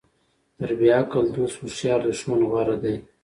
تر بیعقل دوست هوښیار دښمن غوره ده.